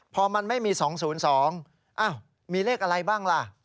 พอมันไม่มี๒๐๒มีเลขอะไรบ้างล่ะ